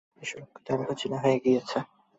এসব লক্ষণ তার এখন চেনা হয়ে গেছে।